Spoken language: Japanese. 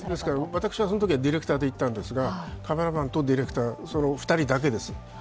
私はそのときはディレクターで行ったんですが、カメラマンとディレクター、２人だけです。